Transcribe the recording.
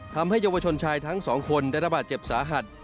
ทำให้เยาวชนชายทั้งสองคนได้ระบาดเจ็บสาหัส